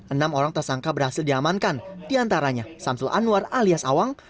enam orang tersangka berhasil diamankan diantaranya samsul anwar alias awang